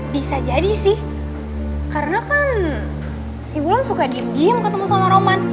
bisa jadi sih karena kan si wulan suka diem diem ketemu sama roman